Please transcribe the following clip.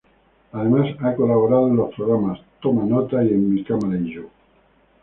Además ha colaborado en los programas "Toma Nota" y en "Mi cámara y yo".